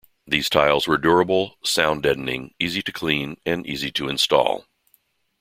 These tiles were durable, sound-deadening, easy to clean and easy to install.